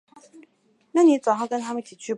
我有一股兴奋的感觉